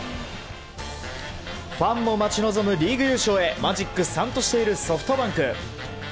ファンも待ち望むリーグ優勝へマジック３としているソフトバンク。